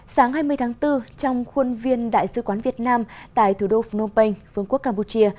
sáng hai mươi tháng bốn trong khuôn viên đại sứ quán việt nam tại thủ đô phnom penh